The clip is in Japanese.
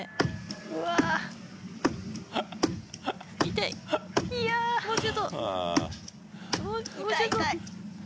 痛い痛い。